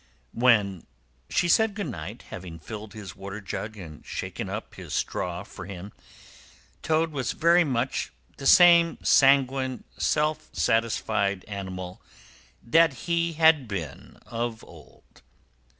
When she said good night, having filled his water jug and shaken up his straw for him, Toad was very much the same sanguine, self satisfied animal that he had been of old.